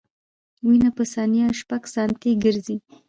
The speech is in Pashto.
وینه په ثانیه شپږ سانتي ګرځي.